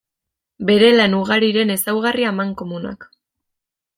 Bere lan ugariren ezaugarri amankomunak.